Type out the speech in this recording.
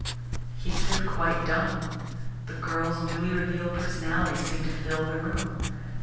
He stood quite dumb. The girl's newly revealed personality seemed to fill the room.